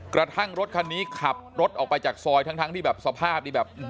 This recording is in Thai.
กระทั่งรถคันนี้ขับรถออกไปจากซอยทั้งที่แบบสภาพนี่แบบ